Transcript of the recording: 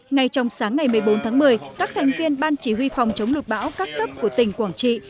ngay trong sáng ngày một mươi bốn tháng một mươi các thành viên ban chỉ huy phòng chống lụt bão các cấp của tỉnh quảng trị